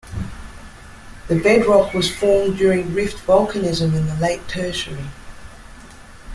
The bedrock was formed during rift volcanism in the late Tertiary.